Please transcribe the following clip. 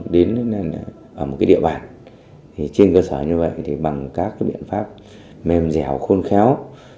đến ở một địa bàn trên cơ sở như vậy thì bằng các biện pháp mềm dẻo khôn khéo